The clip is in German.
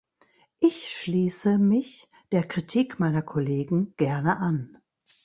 Ich schließe mich der Kritik meiner Kollegen gerne an.